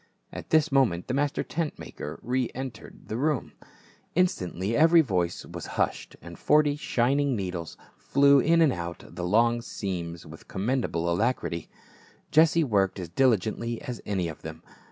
At this moment the master tcnt makcr re entered A PROMISE AND A VOW. 401 the room ; instantly every voice was hushed, and forty shining needles flew in and out the long seams with commendable alacrity. Jesse worked as diligently as any of them.